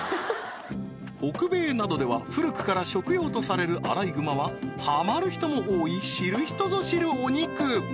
北米などでは古くから食用とされるアライグマはハマる人も多い知る人ぞ知るお肉